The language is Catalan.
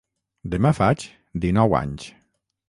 Demà faig dinou anys.